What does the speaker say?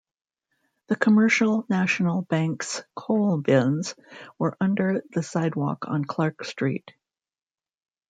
The Commercial National Bank's coal bins were under the sidewalk on Clark Street.